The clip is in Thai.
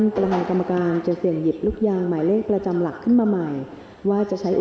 พร้อมแล้วจะออกกลางวันเล็กท้าย๓ตัวครั้งที่๒